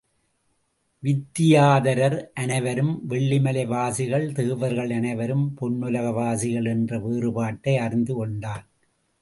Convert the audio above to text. வித்தியாதரர் அனைவரும் வெள்ளிமலை வாசிகள் தேவர்கள் அனைவரும் பொன்னுலக வாசிகள் என்ற வேறுபாட்டை அறிந்து கொண்டான்.